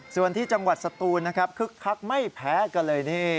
ส่วนที่จังหวัดสตูนนะครับคึกคักไม่แพ้กันเลยนี่